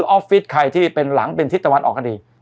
ออฟฟิศใครที่เป็นหลังเป็นทิศตะวันออกก็ดี